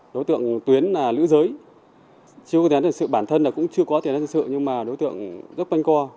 đối tượng tuyến là lữ giới chưa có tiền thần sự bản thân là cũng chưa có tiền thần sự nhưng mà đối tượng rất quanh co